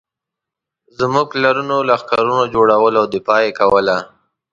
زموږ پلرونو لښکرونه جوړول او دفاع یې کوله.